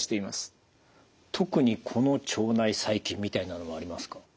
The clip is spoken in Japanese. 特にこの腸内細菌みたいなのはありますか？